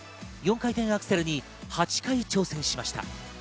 ４回転アクセルに８回挑戦しました。